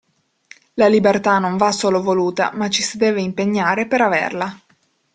La libertà non va solo voluta, ma ci si deve impegnare per averla!